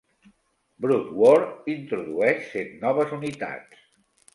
"Brood War" introdueix set noves unitats.